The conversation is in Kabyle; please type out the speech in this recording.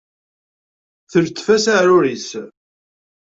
Teltef-as aεrur-is.